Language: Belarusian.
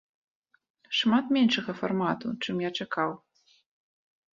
Шмат меншага фармату, чым я чакаў.